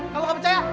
kau gak percaya